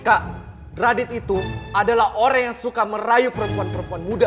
kak radit itu adalah orang yang suka merayu perempuan perempuan muda